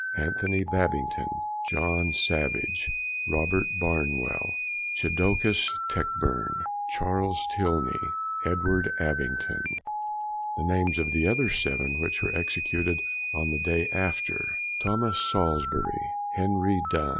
Anthony Babington. John Savage. Robert Barnwell. Chodicus Techburne. Charles Tilney. Edward Abbington. The names of the other vii which were executed on the next day after. Thomas Salsbury. Henry Dun.